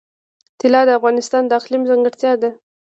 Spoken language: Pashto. طلا د افغانستان د اقلیم ځانګړتیا ده.